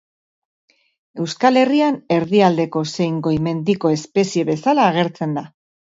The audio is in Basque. Euskal Herrian erdialdeko zein goi-mendiko espezie bezala agertzen da.